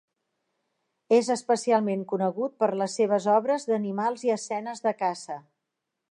És especialment conegut per les seves obres d'animals i escenes de caça.